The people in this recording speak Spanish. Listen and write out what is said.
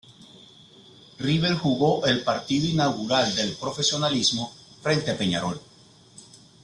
River jugó el partido inaugural del profesionalismo, frente a Peñarol.